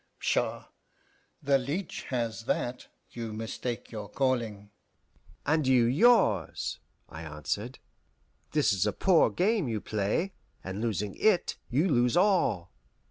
Pshaw! the leech has that. You mistake your calling." "And you yours," I answered. "This is a poor game you play, and losing it you lose all.